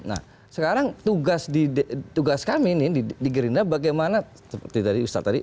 nah sekarang tugas kami ini di gerindra bagaimana seperti tadi ustadz tadi